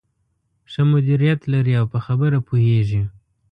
ښه مديريت لري او په خبره پوهېږې.